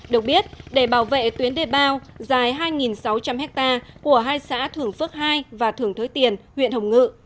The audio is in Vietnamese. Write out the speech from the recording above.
được biết để bảo vệ tuyến đê bao dài hai sáu trăm linh ha của hai xã thường phước ii và thường thới tiền huyện hồng ngự